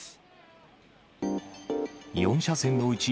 ４車線のうち